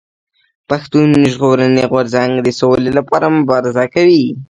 پښتون ژغورني غورځنګ د سولي لپاره مبارزه کوي.